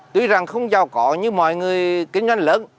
tuy rằng không giàu có như mọi người kinh doanh lớn